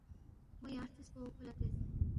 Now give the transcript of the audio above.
مو یا ہرژِس پو کھو لہ ترِس